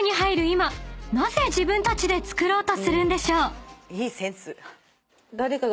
今なぜ自分たちで作ろうとするんでしょう？］